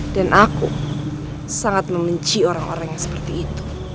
dan aku sangat membenci orang orang yang seperti itu